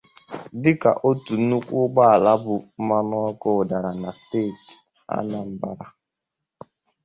dịka otu nnukwu ụgbọala bu mmanụ ọkụ dàrà na steeti Anambra.